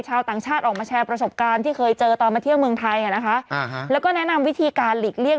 ชาวต่างชาติออกมาแชร์ประสบการณ์ที่เคยเจอตอนมาเที่ยวเมืองไทยอ่ะนะคะแล้วก็แนะนำวิธีการหลีกเลี่ย